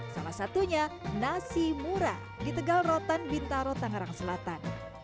salah satunya nasi mura di tegal rotan bintaro tangerang selatan